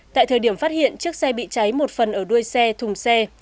tại thời điểm phát hiện chiếc xe bị cháy một phần ở đuôi xe thùng xe